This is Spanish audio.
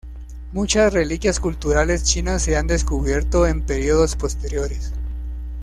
Muchas reliquias culturales chinas se han descubierto en períodos posteriores.